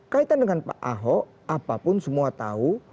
kaitan dengan pak ahok apapun semua tahu